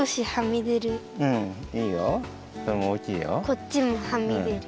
こっちもはみでる。